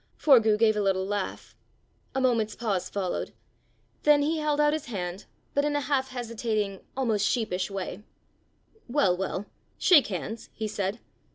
Forgue gave a little laugh. A moment's pause followed. Then he held out his hand, but in a half hesitating, almost sheepish way: "Well, well! shake hands," he said.